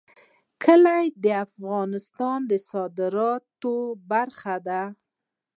کلي د افغانستان د صادراتو برخه ده.